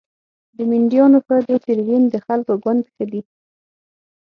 د مینډیانو ښه د سیریلیون د خلکو ګوند ښه دي.